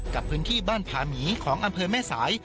กับพื้นที่บ้านผาหมีของอำเภอแม่สาย